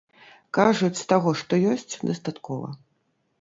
Кажуць, таго, што ёсць, дастаткова.